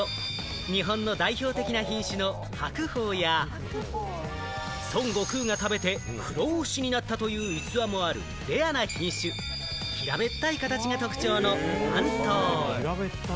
日本の代表的な品種の白鳳や、孫悟空が食べて不老不死になったという逸話もあるレアな品種、平べったい形が特徴の蟠桃。